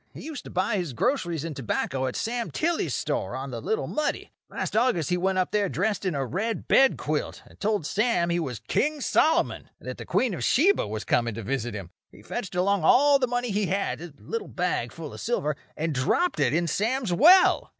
He used to buy his groceries and tobacco at Sam Tilly's store, on the Little Muddy. Last August he went up there dressed in a red bedquilt, and told Sam he was King Solomon, and that the Queen of Sheba was coming to visit him. He fetched along all the money he had—a little bag full of silver—and dropped it in Sam's well.